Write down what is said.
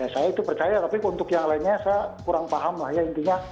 saya itu percaya tapi untuk yang lainnya saya kurang paham lah ya intinya